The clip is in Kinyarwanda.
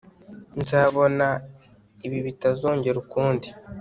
nzabona ibi bitazongera ukundi